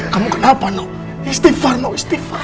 kamu kenapa no istighfar no istighfar